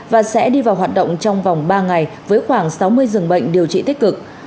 và sẽ đi vào hoạt động trong vòng ba ngày với khoảng sáu mươi dường bệnh điều trị tích cực